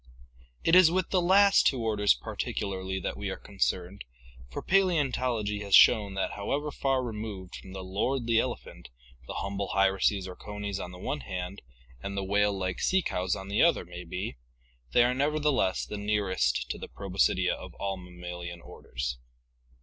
It is with the last two orders particularly that we are concerned, for Paleontology has shown that however far removed from the lordly elephant the humble hyraces or conies on the one hand and the whale like sea cows on the other may be, they are nevertheless the nearest to the Proboscidea of all mammalian orders.